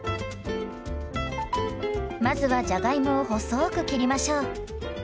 まずはじゃがいもを細く切りましょう。